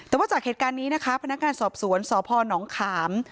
แต่ว่าจากเหตุการณ์นี้นะคะพนักงานสอบสวนสพนขาม